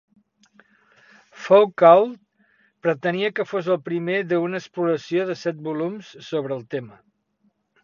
Foucault pretenia que fos el primer d'una exploració de set volums sobre el tema.